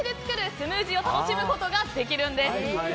スムージーを楽しむことができるんです。